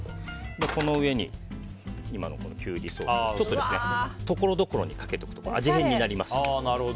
この上に今のキュウリソースをところどころにかけておくと味変になりますので。